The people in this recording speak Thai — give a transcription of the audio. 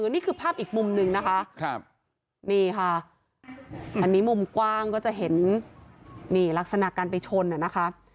นี่ค่ะอันนี้มุมกว้างก็จะเห็นนี่ลักษณะการไปชนเนี่ยนะคะ